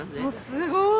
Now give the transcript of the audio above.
すごい。